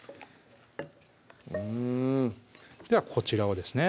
うんではこちらをですね